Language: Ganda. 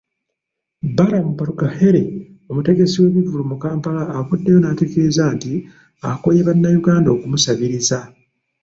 Balam Barugahare, omutegesi w'ebivvulu mu Kampala avuddeyo n'ategeeza nti akooye Bannayuganda okumusabiriza.